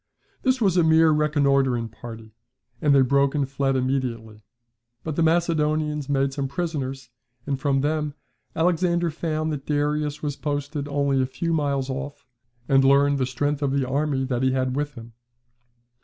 This was a mere reconnoitring party, and they broke and fled immediately; but the Macedonians made some prisoners, and from them Alexander found that Darius was posted only a few miles off and learned the strength of the army that he had with him.